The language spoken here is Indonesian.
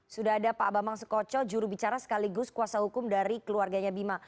sudah ada pak bambang sukoco jurubicara sekaligus kuasa hukum dari keluarganya bima